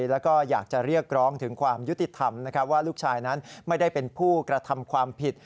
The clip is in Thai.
แล้วก็อยากจะเรียกร้องถึงความยุติธรรมว่าลูกชายนั้นไม่ได้เป็นผู้กระทำความผิด